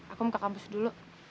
aku mau ke kampus dulu